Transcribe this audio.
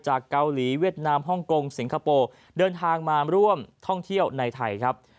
จากเกาหลีเวียดนามฮ่องกงสิงคโปร์เดินทางมาร่วมท่องเที่ยวในไทยครับ